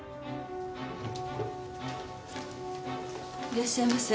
いらっしゃいませ。